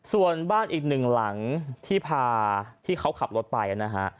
ส่วนบ้านอีกหนึ่งหลังที่พาที่เขาขับรถไปนะฮะ